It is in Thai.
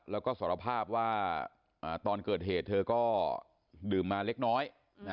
แล้วก็สารภาพว่าตอนเกิดเหตุเธอก็ดื่มมาเล็กน้อย